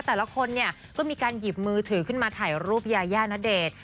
แต่ละคนเนี่ยก็มีการหยิบมือถือขึ้นมาถ่ายรูปยายาณเดชน์